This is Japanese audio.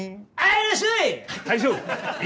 いらっしゃい！